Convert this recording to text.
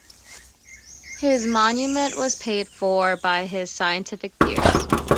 His monument was paid for by his scientific peers.